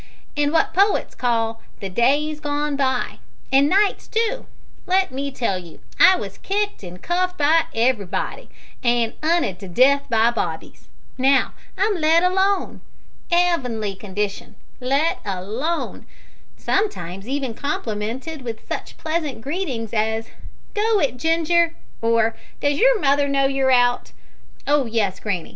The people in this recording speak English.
In wot poets call `the days gone by' an' nights too, let me tell you I wos kicked an' cuffed by everybody, an' 'unted to death by bobbies. Now I'm let alone! 'Eavenly condition let alone! sometimes even complimented with such pleasant greetings as `Go it, Ginger!' or `Does your mother know you're out?' Oh yes, granny!